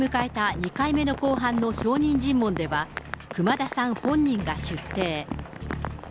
２回目の公判の証人尋問では熊田さん本人が出廷。